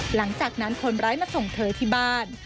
หลังจากนั้นคนร้ายมาส่งเธอที่บ้าน